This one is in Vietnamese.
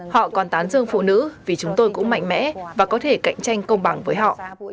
họ còn tán dương phụ nữ vì chúng tôi cũng mạnh mẽ và có thể cạnh tranh công bằng với họ